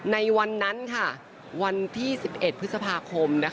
ในวันนั้นวันที่๑๑พฤษภาคม